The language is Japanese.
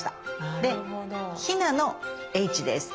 で日菜の「Ｈ」です。